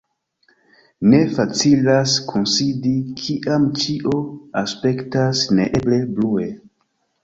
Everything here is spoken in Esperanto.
Ne facilas kunsidi, kiam ĉio aspektas neeble blue.